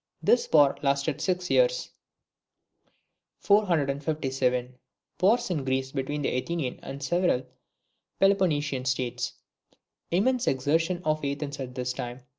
This war lasted six years. 457. Wars in Greece between the Athenian and several Peloponnesian states. Immense exertions of Athens at this time.